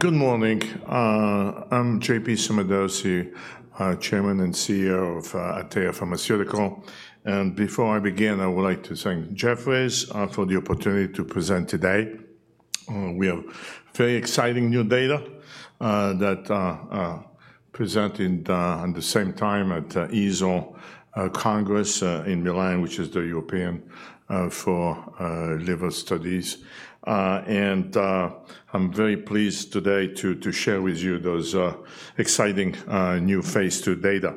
Good morning. I'm JP Sommadossi, Chairman and CEO of Atea Pharmaceuticals. Before I begin, I would like to thank Jefferies for the opportunity to present today. We have very exciting new data that presented on the same time at EASL Congress in Milan, which is the European for liver studies. I'm very pleased today to share with you those exciting new phase II data.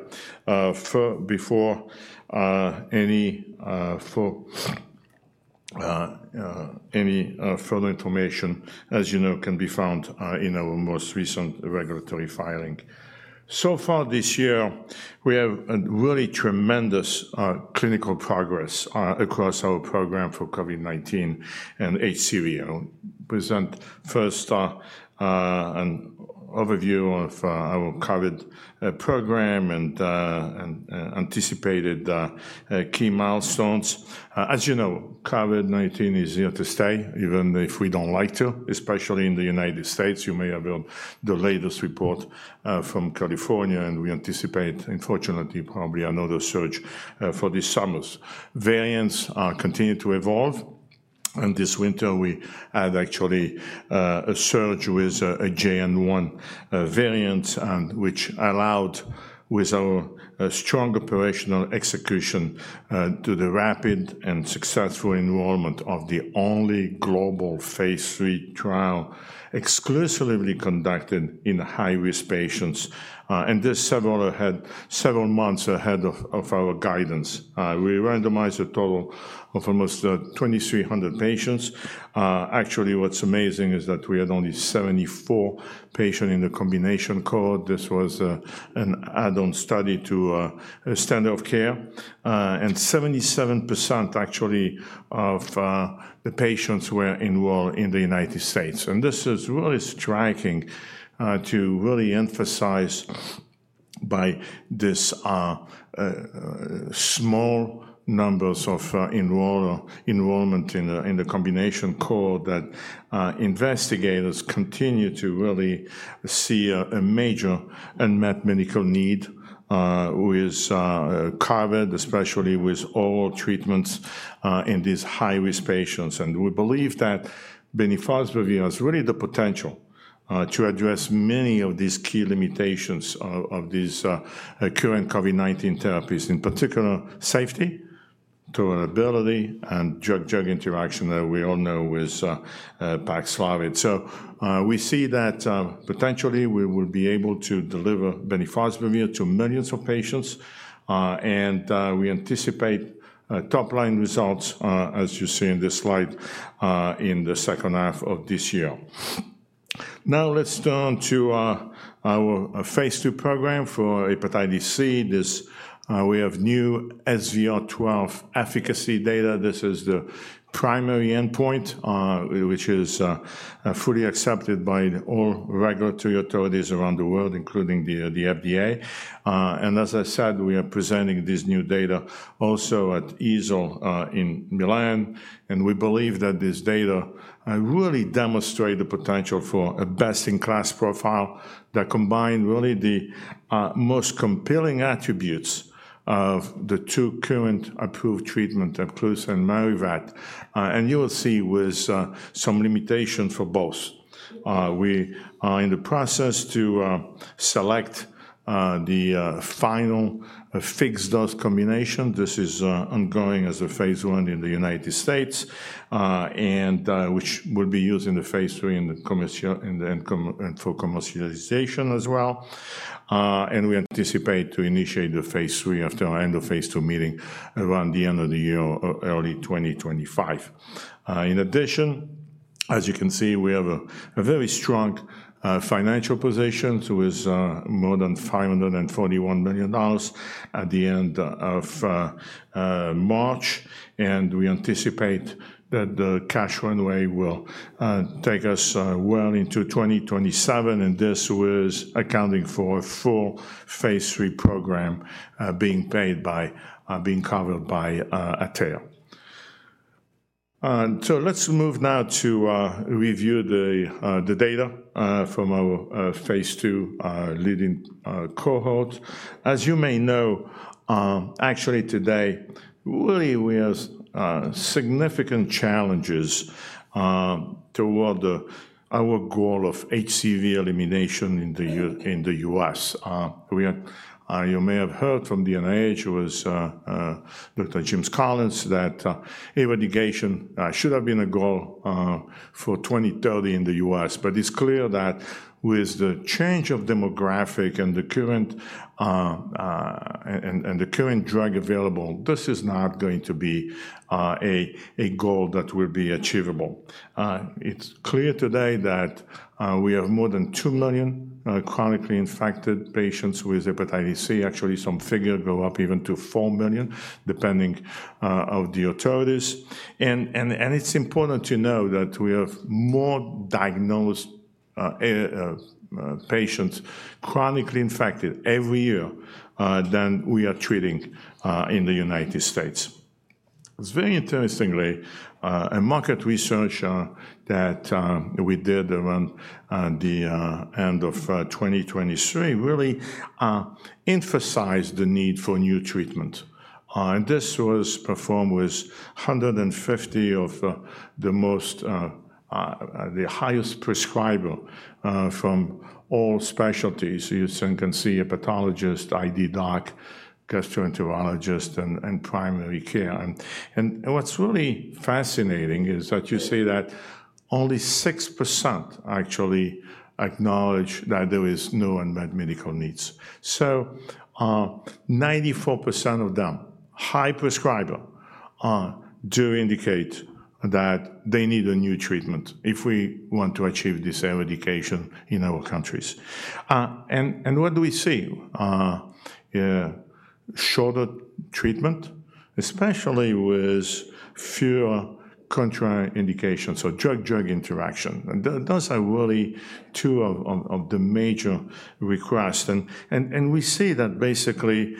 Before any further information, as you know, can be found in our most recent regulatory filing. So far this year, we have a really tremendous clinical progress across our program for COVID-19 and HCV. I'll present first, an overview of our COVID program and, and, anticipated key milestones. As you know, COVID-19 is here to stay, even if we don't like to, especially in the United States. You may have the latest report from California, and we anticipate, unfortunately, probably another surge for this summer. Variants are continuing to evolve, and this winter we had actually a surge with a JN.1 variant, and which allowed with our strong operational execution to the rapid and successful enrollment of the only global phase III trial exclusively conducted in high-risk patients. And this several ahead, several months ahead of our guidance. We randomized a total of almost 2,300 patients. Actually, what's amazing is that we had only 74 patient in the combination cohort. This was an add-on study to a standard of care, and 77% actually of the patients were enrolled in the United States. This is really striking to really emphasize by this small numbers of enrollment in the combination cohort that investigators continue to really see a major unmet medical need with COVID, especially with oral treatments in these high-risk patients. And we believe that Bemnifosbuvir has really the potential to address many of these key limitations of these current COVID-19 therapies, in particular, safety, tolerability, and drug interaction that we all know is Paxlovid. So, we see that, potentially we will be able to deliver Bemnifosbuvir to millions of patients, and, we anticipate, top-line results, as you see in this slide, in the second half of this year. Now, let's turn to, our phase II program for Hepatitis C. This, we have new SVR12 efficacy data. This is the primary endpoint, which is, fully accepted by all regulatory authorities around the world, including the, the FDA. And as I said, we are presenting this new data also at EASL, in Milan, and we believe that this data, really demonstrate the potential for a best-in-class profile that combine really the, most compelling attributes of the two current approved treatment, Epclusa and Mavyret, and you will see with, some limitations for both. We are in the process to select the final fixed-dose combination. This is ongoing as a phase I in the United States, and which will be used in the phase III and for commercialization as well. And we anticipate to initiate the phase III after our end of phase II meeting around the end of the year or early 2025. In addition, as you can see, we have a very strong financial position with more than $541 million at the end of March, and we anticipate that the cash runway will take us well into 2027, and this was accounting for a full phase III program being covered by Atea. Let's move now to review the data from our phase II lead-in cohort. As you may know, actually today, really we have significant challenges toward our goal of HCV elimination in the U.S. You may have heard from the NIH, it was Dr. Francis Collins, that eradication should have been a goal for 2030 in the U.S. But it's clear that with the change of demographic and the current and the current drug available, this is not going to be a goal that will be achievable. It's clear today that we have more than 2 million chronically infected patients with hepatitis C. Actually, some figure go up even to 4 million, depending on the authorities. And it's important to know that we have more diagnosed patients chronically infected every year than we are treating in the United States. It's very interestingly a market research that we did around the end of 2023 really emphasized the need for new treatment. And this was performed with 150 of the most the highest prescriber from all specialties. You soon can see a hepatologist, ID doc, gastroenterologist, and primary care. And what's really fascinating is that you see that only 6% actually acknowledge that there is no unmet medical needs. So, 94% of them, high prescriber, do indicate that they need a new treatment if we want to achieve this eradication in our countries. And what do we see? Yeah, shorter treatment, especially with fewer contraindications, so drug-drug interaction. And those are really two of the major requests. And we see that basically,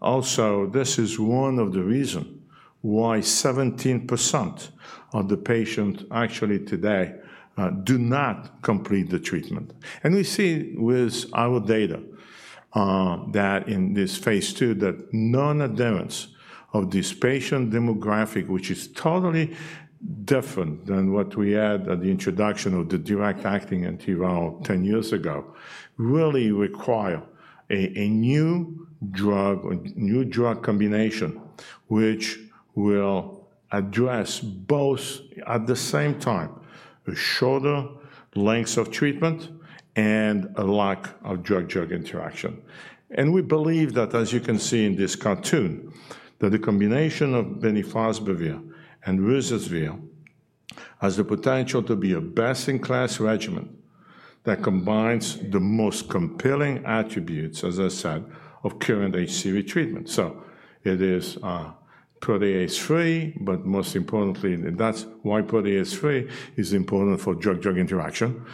also this is one of the reason why 17% of the patient actually today do not complete the treatment. And we see with our data that in this phase II, that nonadherence of this patient demographic, which is totally different than what we had at the introduction of the direct-acting antiviral 10 years ago, really require a new drug or new drug combination, which will address both at the same time, a shorter lengths of treatment and a lack of drug-drug interaction. We believe that, as you can see in this cartoon, that the combination of Bemnifosbuvir and Ruzasvir has the potential to be a best-in-class regimen that combines the most compelling attributes, as I said, of current HCV treatment. So it is protease free, but most importantly, that's why protease free is important for drug-drug interaction.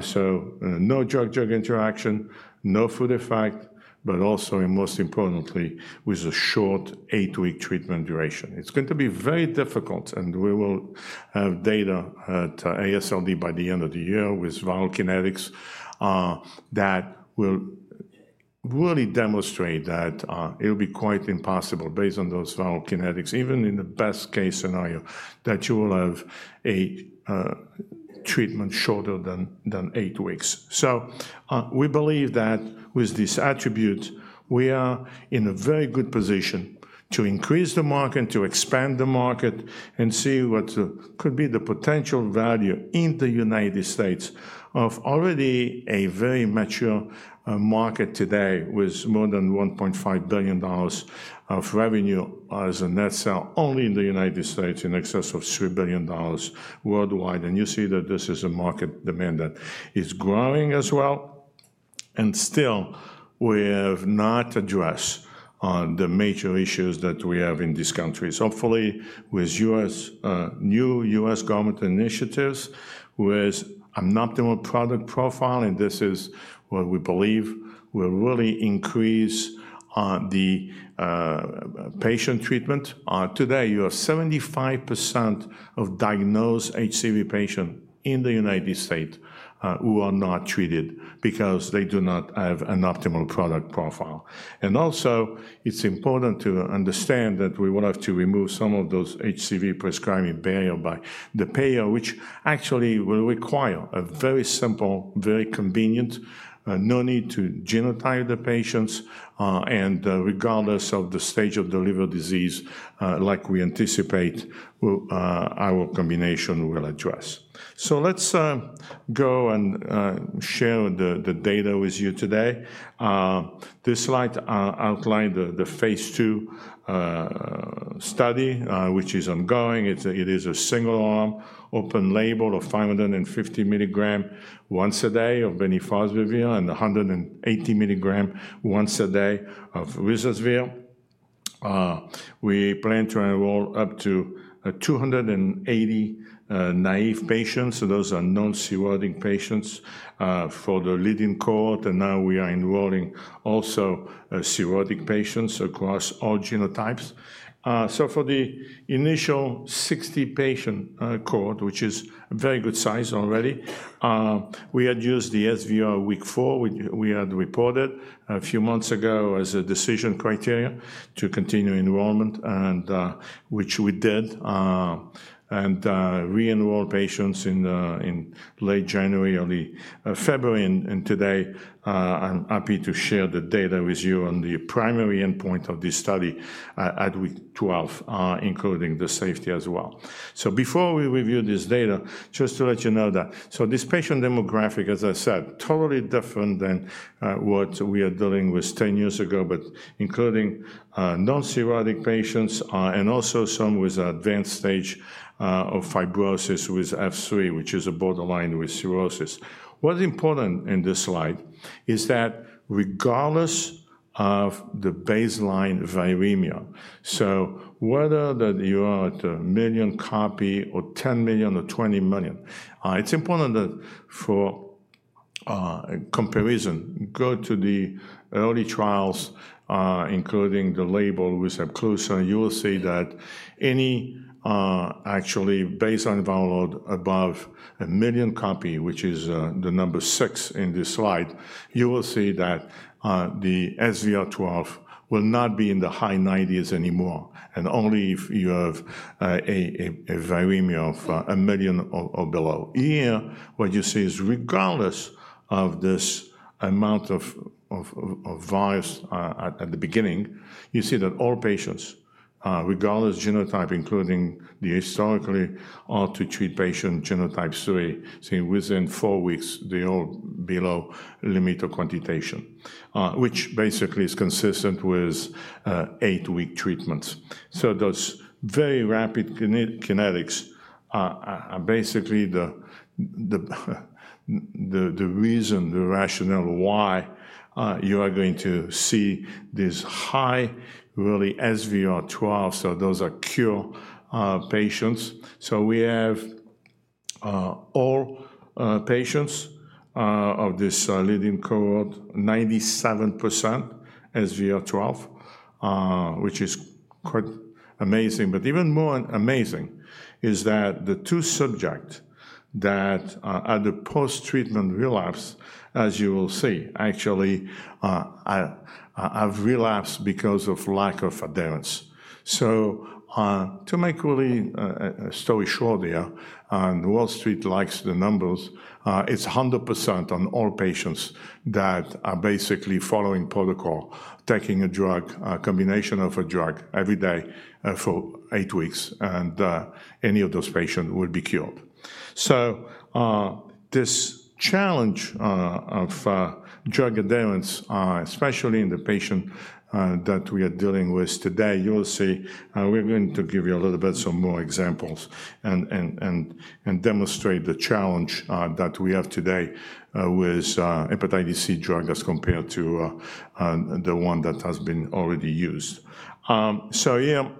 So no drug-drug interaction, no food effect, but also and most importantly, with a short 8-week treatment duration. It's going to be very difficult, and we will have data at AASLD by the end of the year with viral kinetics that will really demonstrate that it'll be quite impossible based on those viral kinetics, even in the best-case scenario, that you will have a treatment shorter than eight weeks. We believe that with this attribute, we are in a very good position to increase the market, to expand the market, and see what could be the potential value in the United States of already a very mature market today, with more than $1.5 billion of revenue as a net sales only in the United States, in excess of $3 billion worldwide. You see that this is a market demand that is growing as well, and still we have not addressed the major issues that we have in these countries. Hopefully, with U.S. new U.S. government initiatives, with an optimal product profile, and this is what we believe will really increase the patient treatment. Today, you have 75% of diagnosed HCV patient in the United States who are not treated because they do not have an optimal product profile. Also, it's important to understand that we will have to remove some of those HCV prescribing barrier by the payer, which actually will require a very simple, very convenient, no need to genotype the patients, and regardless of the stage of the liver disease, like we anticipate, our combination will address. So let's go and share the data with you today. This slide outline the phase II study which is ongoing. It is a single-arm, open label of 550 mg once a day of Bemnifosbuvir and 180 mg once a day of Ruzasvir. We plan to enroll up to 280 naive patients, so those are non-cirrhotic patients, for the lead-in cohort, and now we are enrolling also cirrhotic patients across all genotypes. So for the initial 60-patient cohort, which is a very good size already, we had used the SVR week four, which we had reported a few months ago as a decision criteria to continue enrollment, and which we did, and re-enrolled patients in late January, early February. And today, I'm happy to share the data with you on the primary endpoint of this study at week 12, including the safety as well. So before we review this data, just to let you know that... So this patient demographic, as I said, totally different than what we are dealing with 10 years ago, but including non-cirrhotic patients and also some with advanced stage of fibrosis with F3, which is a borderline with cirrhosis. What's important in this slide is that regardless of the baseline viremia, so whether that you are at one million copy or 10 million or 20 million, it's important that for comparison, go to the early trials, including the label with Epclusa, you will see that any actually baseline viral load above one million copy, which is the number six in this slide, you will see that the SVR12 will not be in the high 90s anymore, and only if you have a viremia of 1 million or below. Here, what you see is regardless of this amount of virus at the beginning, you see that all patients regardless genotype, including the historically hard-to-treat patient genotype 3, within four weeks, they're all below limit of quantitation, which basically is consistent with eight-week treatments. So those very rapid kinetics are basically the reason, the rationale why you are going to see this high, really, SVR12, so those are cure patients. So we have all patients of this lead-in cohort, 97% SVR12, which is quite amazing. But even more amazing is that the two subjects that at the post-treatment relapse, as you will see, actually have relapsed because of lack of adherence. To make really story short here, and Wall Street likes the numbers, it's 100% on all patients that are basically following protocol, taking a drug, a combination of a drug every day, for eight weeks, and any of those patients will be cured. So, this challenge of drug adherence, especially in the patient that we are dealing with today, you will see, we're going to give you a little bit some more examples and demonstrate the challenge that we have today with hepatitis C drug as compared to the one that has been already used. So here,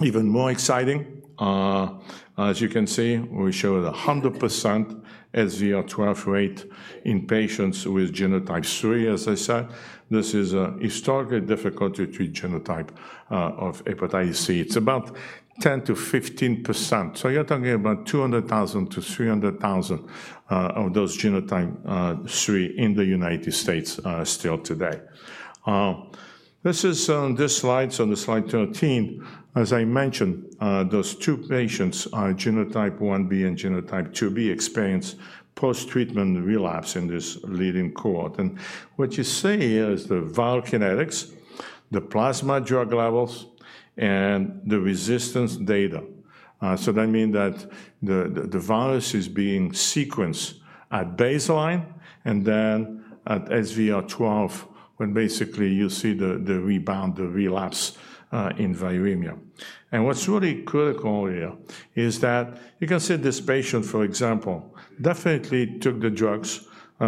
even more exciting, as you can see, we show a 100% SVR12 rate in patients with genotype 3. As I said, this is a historically difficult to treat genotype of Hepatitis C. It's about 10%-15%. So you're talking about 200,000-300,000 of those Genotype 3 in the United States still today. This is this slide, so the slide 13, as I mentioned, those two patients are genotype 1b and genotype 2b, experience post-treatment relapse in this lead-in cohort. And what you see here is the viral kinetics, the plasma drug levels, and the resistance data. So that mean that the virus is being sequenced at baseline and then at SVR12, when basically you see the rebound, the relapse in viremia. And what's really critical here is that you can see this patient, for example, definitely took the drugs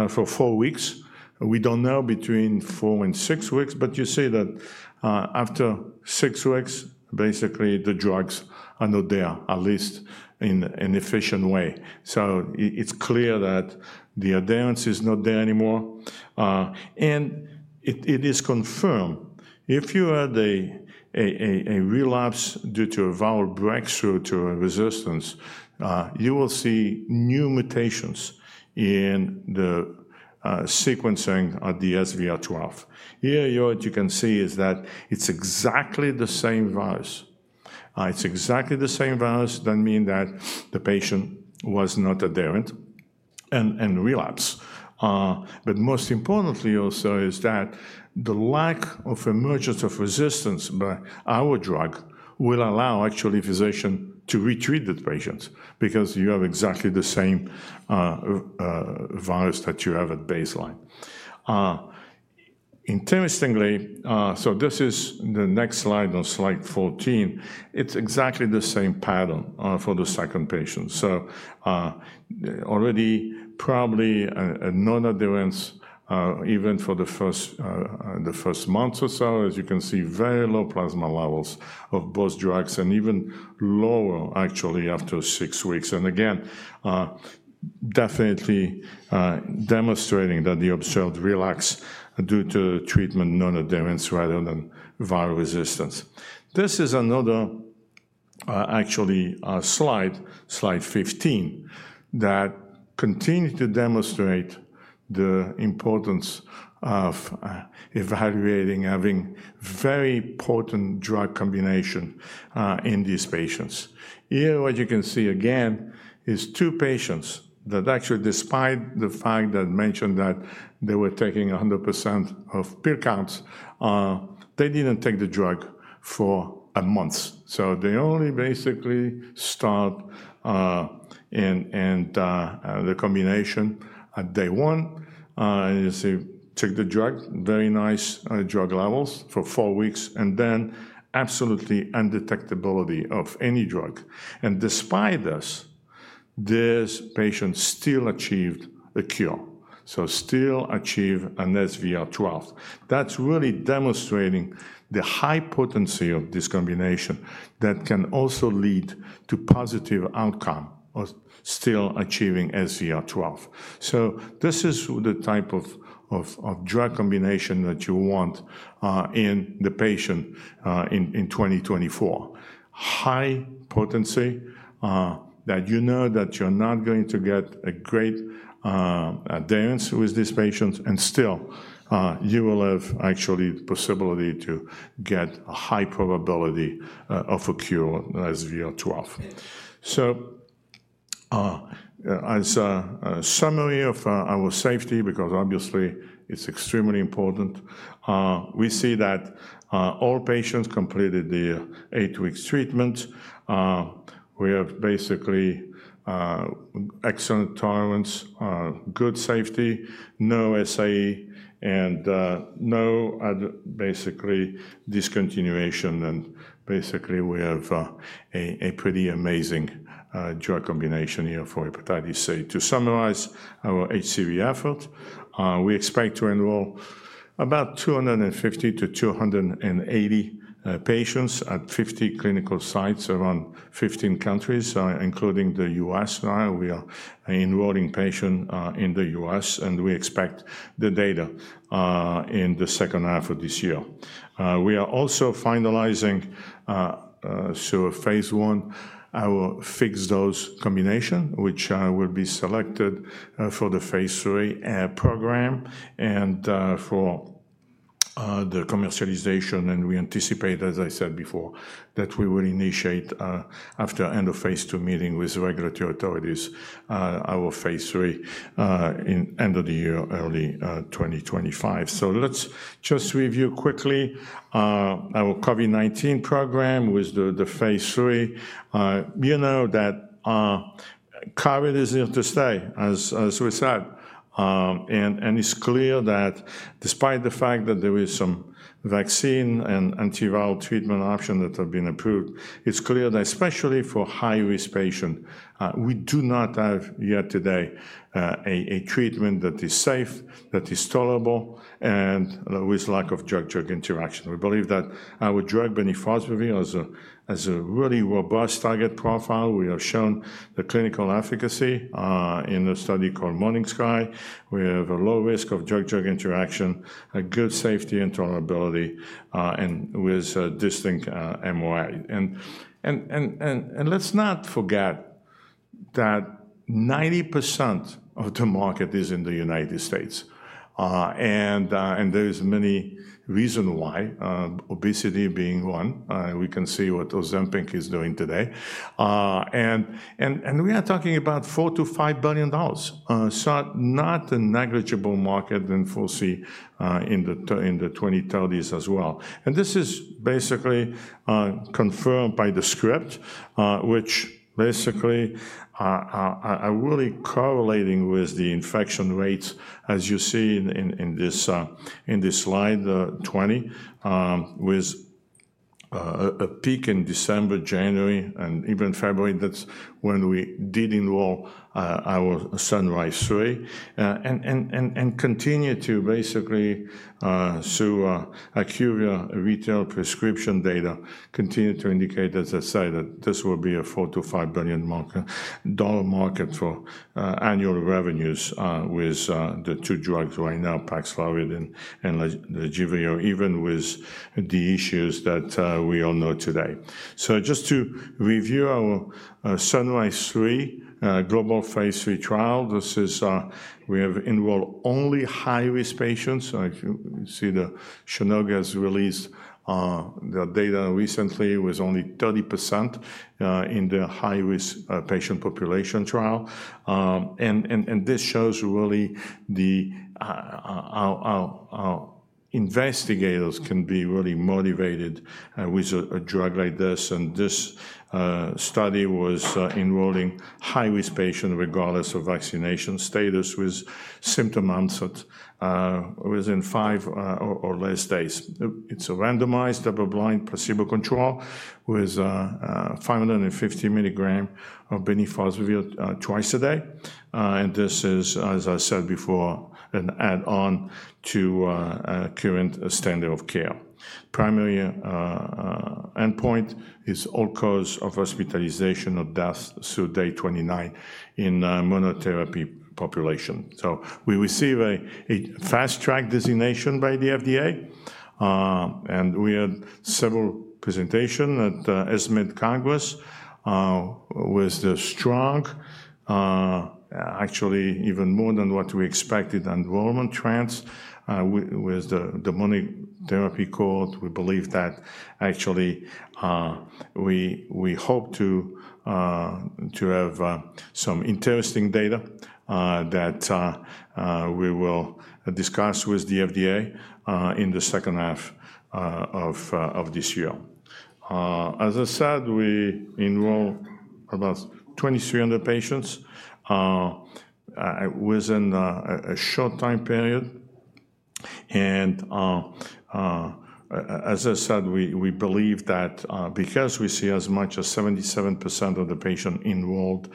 for four weeks. We don't know between four and six weeks, but you see that, after six weeks, basically the drugs are not there, at least in an efficient way. So it's clear that the adherence is not there anymore, and it is confirmed. If you had a relapse due to a viral breakthrough to a resistance, you will see new mutations in the sequencing of the SVR12. Here, what you can see is that it's exactly the same virus. It's exactly the same virus. That mean that the patient was not adherent and relapse. But most importantly also is that the lack of emergence of resistance by our drug will allow actually physician to retreat the patients because you have exactly the same virus that you have at baseline. Interestingly, so this is the next slide, on slide 14, it's exactly the same pattern, for the second patient. So, already probably, no adherence, even for the first, the first month or so. As you can see, very low plasma levels of both drugs and even lower, actually, after six weeks. And again, definitely, demonstrating that the observed relapse due to treatment, no adherence rather than viral resistance. This is another, actually, slide, slide 15, that continue to demonstrate the importance of, evaluating, having very potent drug combination, in these patients. Here, what you can see again is two patients that actually, despite the fact that mentioned that they were taking 100% of pill counts, they didn't take the drug for a months. They only basically start in and the combination at day one, you see, take the drug, very nice drug levels for four weeks, and then absolutely undetectability of any drug. Despite this, this patient still achieved a cure. Still achieve an SVR12. That's really demonstrating the high potency of this combination that can also lead to positive outcome or still achieving SVR12. This is the type of drug combination that you want in the patient in 2024. High potency, that you know that you're not going to get a great adherence with these patients, and still you will have actually the possibility to get a high probability of a cure, SVR12. As a summary of our safety, because obviously it's extremely important, we see that all patients completed the eight-week treatment. We have basically excellent tolerance, good safety, no SAE, and no other basically discontinuation. And basically, we have a pretty amazing drug combination here for hepatitis C. To summarize our HCV effort, we expect to enroll about 250-280 patients at 50 clinical sites around 15 countries, including the U.S. Now, we are enrolling patients in the U.S., and we expect the data in the second half of this year. We are also finalizing phase I, our fixed-dose combination, which will be selected for the phase III program and for the commercialization. We anticipate, as I said before, that we will initiate, after end of phase II meeting with regulatory authorities, our phase III, in end of the year, early 2025. So let's just review quickly, our COVID-19 program with the, the phase III. You know that, COVID is here to stay, as we said, and it's clear that despite the fact that there is some vaccine and antiviral treatment options that have been approved, it's clear that especially for high-risk patients, we do not have yet today, a treatment that is safe, that is tolerable, and with lack of drug-drug interaction. We believe that our drug, Bemnifosbuvir, has a really robust target profile. We have shown the clinical efficacy, in a study called MORNING SKY. We have a low risk of drug-drug interaction, a good safety and tolerability, and with a distinct MOI. And let's not forget that 90% of the market is in the United States. There is many reason why, obesity being one. We can see what Ozempic is doing today. We are talking about $4 billion-$5 billion, so not a negligible market than we'll see in the 2030s as well. This is basically confirmed by the script, which basically are really correlating with the infection rates, as you see in this slide, 2020 with a peak in December, January, and even February. That's when we did enroll our SUNRISE 3 and continue to basically through IQVIA retail prescription data continue to indicate, as I said, that this will be a $4-$5 billion market for annual revenues with the two drugs right now, Paxlovid and Lagevrio, even with the issues that we all know today. So just to review our SUNRISE 3 global phase III trial, this is we have enrolled only high-risk patients. So if you see the Shionogi's release, the data recently was only 30% in the high-risk patient population trial. And this shows really our investigators can be really motivated with a drug like this. This study was enrolling high-risk patients regardless of vaccination status, with symptom onset within five or less days. It's a randomized, double-blind, placebo-controlled with 550 milligram of Bemnifosbuvir twice a day. And this is, as I said before, an add-on to current standard of care. Primary endpoint is all cause of hospitalization or death through day 29 in monotherapy population. So we receive a fast track designation by the FDA, and we had several presentation at ESCMID Congress, with the strong, actually even more than what we expected, enrollment trends, with the monotherapy cohort. We believe that actually, we hope to have some interesting data that we will discuss with the FDA in the second half of this year. As I said, we enroll about 2,300 patients within a short time period. And as I said, we believe that because we see as much as 77% of the patient enrolled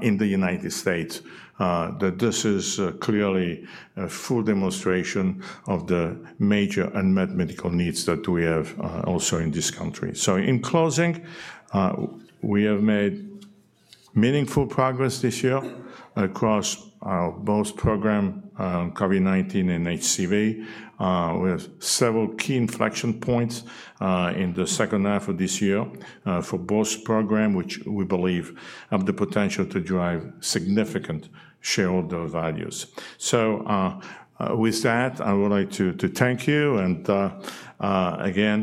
in the United States, that this is clearly a full demonstration of the major unmet medical needs that we have also in this country. So in closing, we have made meaningful progress this year across both program, COVID-19 and HCV. We have several key inflection points in the second half of this year for both program, which we believe have the potential to drive significant shareholder values. So, with that, I would like to thank you, and again-